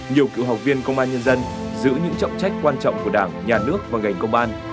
nhiều cựu học viên công an nhân dân giữ những trọng trách quan trọng của đảng nhà nước và ngành công an